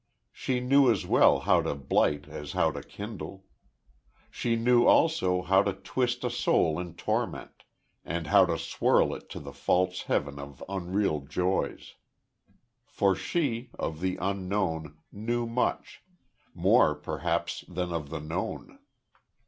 She knew as well how to blight as how to kindle. She knew also how to twist a soul in torment; and how to swirl it to the false heaven of unreal joys. For she, of the Unknown, knew much more, perhaps, than of the known.